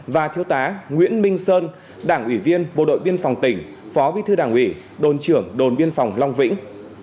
và thiếu tá nguyễn minh sơn đảng ủy viên bộ đội biên phòng tỉnh phó bí thư đảng ủy đồn trưởng đồn biên phòng long vĩnh